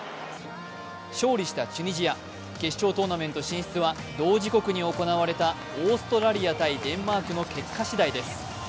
勝利したチュニジア、決勝トーナメント進出は同時刻に行われたオーストラリア×デンマークの結果しだいです。